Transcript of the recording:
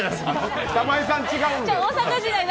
玉井さん違う。